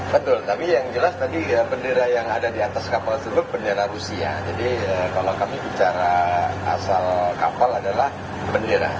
betul tapi yang jelas tadi bendera yang ada di atas kapal tersebut bendera rusia jadi kalau kami bicara asal kapal adalah bendera